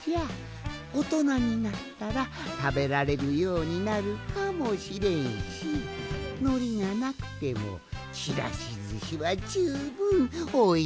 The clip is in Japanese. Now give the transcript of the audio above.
おとなになったらたべられるようになるかもしれんしのりがなくてもちらしずしはじゅうぶんおいしいぞい！